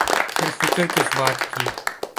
پھر فکر کس بات کی۔